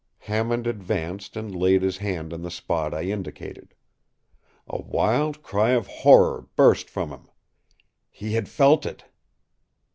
” Hammond advanced and laid his hand in the spot I indicated. A wild cry of horror burst from him. He had felt it!